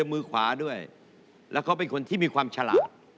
มือขวาด้วยแล้วเขาเป็นคนที่มีความฉลาด